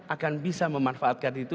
akan bisa memanfaatkan itu